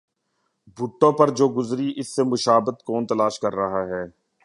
بھٹو پہ جو گزری اس سے مشابہت کون تلاش کر رہا ہے؟